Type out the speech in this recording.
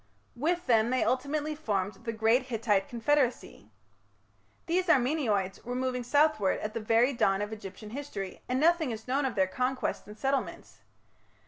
With them they ultimately formed the great Hittite confederacy. These Armenoids were moving southwards at the very dawn of Egyptian history, and nothing is known of their conquests and settlements.